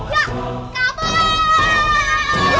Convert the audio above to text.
kamu mau main main saya